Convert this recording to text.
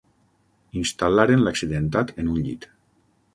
Instal·laren l'accidentat en un llit.